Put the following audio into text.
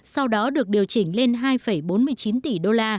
sau đó được điều chỉnh lên hai bốn mươi chín tỷ usd